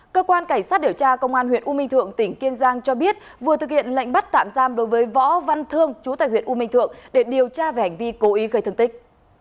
cơ quan cảnh sát điều tra công an huyện u minh thượng tỉnh kiên giang cho biết vừa thực hiện lệnh bắt tạm giam đối với võ văn thương chú tại huyện u minh thượng để điều tra về hành vi cố ý gây thương tích